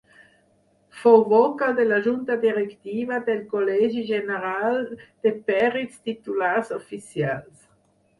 Fou vocal de la Junta directiva del Col·legi General de Pèrits Titulars Oficials.